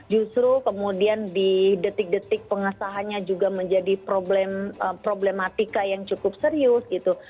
justru kemudian di detik detik pengesahannya juga menjadi problematika yang cukup serius gitu